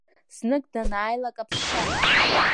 Знык данааилак аԥсцәаҳа…